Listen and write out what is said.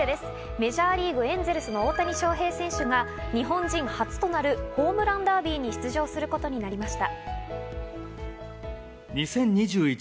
メジャーリーグ・エンゼルスの大谷翔平選手が日本人初となるホームランダービーに出場することになりました。